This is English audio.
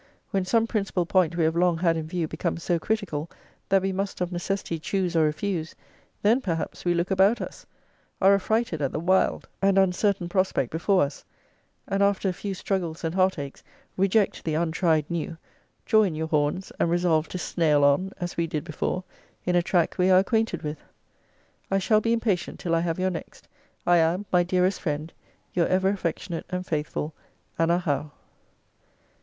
When some principal point we have long had in view becomes so critical, that we must of necessity choose or refuse, then perhaps we look about us; are affrighted at the wild and uncertain prospect before us; and, after a few struggles and heart aches, reject the untried new; draw in your horns, and resolve to snail on, as we did before, in a track we are acquainted with. I shall be impatient till I have your next. I am, my dearest friend, Your ever affectionate and faithful ANNA HOWE.